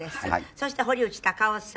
そして、堀内孝雄さん。